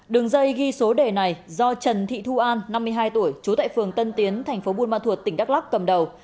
đường dây ghi số đề này do trần thị thu an năm mươi hai tuổi chú tại phường tân tiến tp buôn ma thuột tỉnh đắk lắc cầm đầu